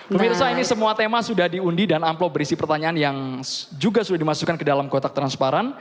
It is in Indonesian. pemirsa ini semua tema sudah diundi dan amplop berisi pertanyaan yang juga sudah dimasukkan ke dalam kotak transparan